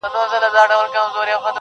چي ښوونکي او ملا به را ښودله -